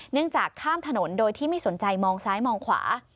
จากข้ามถนนโดยที่ไม่สนใจมองซ้ายมองขวา